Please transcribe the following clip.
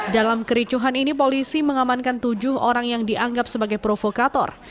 dalam kericuhan ini polisi mengamankan tujuh orang yang dianggap sebagai provokator